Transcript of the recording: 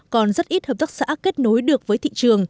còn rất ít hợp tác xã kết nối được với thị trường